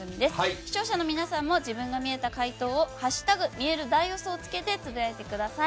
視聴者の皆さんも自分がみえた回答を「＃みえる大予想」をつけてつぶやいてください。